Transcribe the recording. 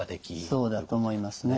そうだと思いますね。